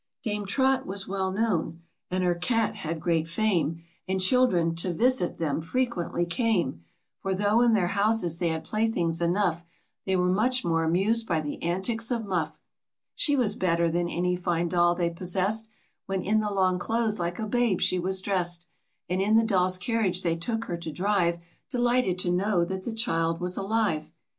Dame Trot was well known, and her cat had great fame, And children to visit them frequently came, For though in their houses they had playthings enough, They were much more amused by the antics of Muff She was better than any fine doll they possessed, When in the long clothes like a babe she was dressed; And in the dolls' carriage they took her to drive, Delighted to know that the child was alive.